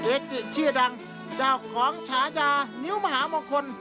จิชื่อดังเจ้าของฉายานิ้วมหามงคล